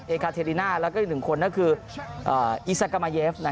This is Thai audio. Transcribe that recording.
เอคาเทรดีน่าแล้วก็อีซากาไมเยฟ